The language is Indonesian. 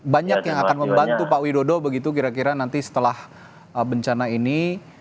banyak yang akan membantu pak widodo begitu kira kira nanti setelah bencana ini